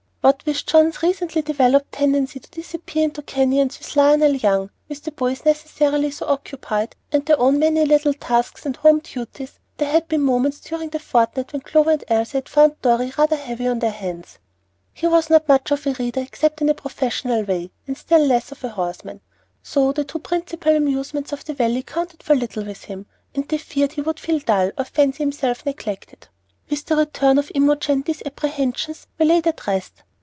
What with John's recently developed tendency to disappear into canyons with Lionel Young, with the boys necessarily so occupied, and their own many little tasks and home duties, there had been moments during the fortnight when Clover and Elsie had found Dorry rather heavy on their hands. He was not much of a reader except in a professional way, and still less of a horseman; so the two principal amusements of the Valley counted for little with him, and they feared he would feel dull, or fancy himself neglected. With the return of Imogen these apprehensions were laid at rest.